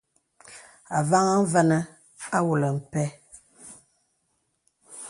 Ôvaŋha vənə àwōlə̀ mpə̀.